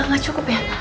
gak cukup ya